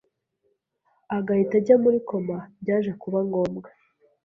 agahita ajya muri koma, byaje kuba ngombwa